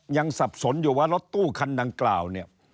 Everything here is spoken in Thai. สับสนอยู่ว่ารถตู้คันดังกล่าวเนี่ย